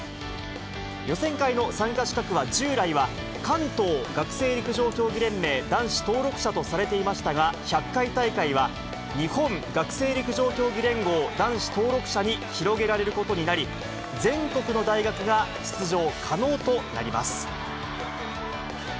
予選会の参加資格は、従来は、関東学生陸上競技連盟男子登録者とされていましたが、１００回大会は、日本学生陸上競技連合男子登録者に広げられることになり、全国の大学が出場可能となります。